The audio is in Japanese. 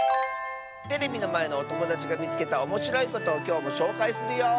テレビのまえのおともだちがみつけたおもしろいことをきょうもしょうかいするよ！